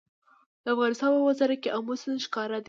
د افغانستان په منظره کې آمو سیند ښکاره ده.